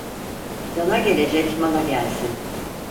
Cana gelecek mala gelsin.